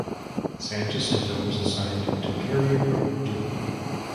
"San Jacinto" was assigned to Carrier Group Two.